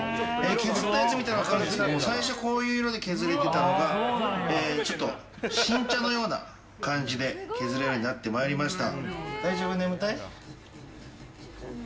削ったやつを見たら分かるんですけど最初、こういう色で削れてたのがちょっと新茶のような感じで削れるようになってまいりました。